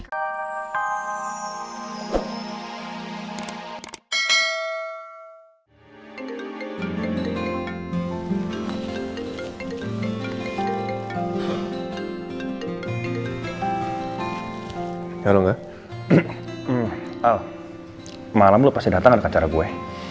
kalau nggak malam lo pasti datang ke acara gue